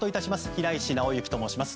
平石直之と申します。